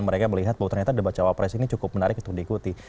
mereka melihat bahwa ternyata debat cawapres ini cukup menarik untuk diikuti